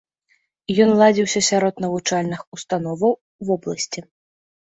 Ён ладзіўся сярод навучальных установаў вобласці.